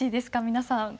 皆さん。